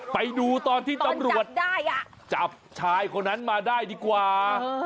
ไปดูตอนที่ตำรวจจับชายคนนั้นมาได้ดีกว่า